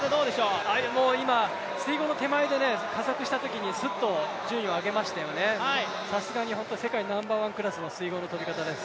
今、水濠の手前で加速したときにすっと順位を上げましたよね、さすがに本当ナンバーワンクラスの水濠の跳び方です。